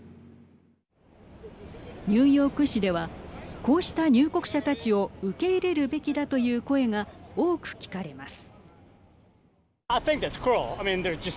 ニューヨーク市ではこうした入国者たちを受け入れるべきだという声が多く聞かれます。